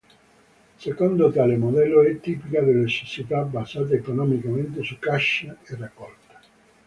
Secondo tale modello è tipica delle società basate economicamente su caccia e raccolta.